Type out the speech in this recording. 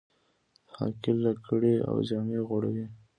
د هاکي لکړې او جامې جوړوي.